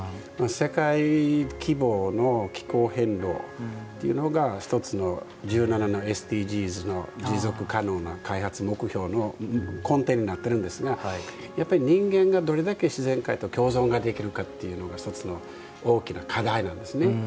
世界規模の気候変動というのが一つの１７のＳＤＧｓの持続可能な開発目標の根底になっているんですが人間がどれだけ自然界と共存できるかというのが一つの大きな課題なんですね。